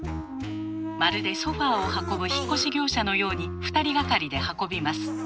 まるでソファーを運ぶ引っ越し業者のように２人がかりで運びます。